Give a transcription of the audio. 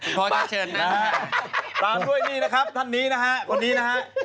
คุณพฤษฐานเชิญนะฮะตามด้วยนี่นะครับท่อนนี้นะฮะวันนี้นะฮะหญิงกลาง